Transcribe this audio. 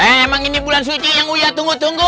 emang ini bulan suci yang mulia tunggu tunggu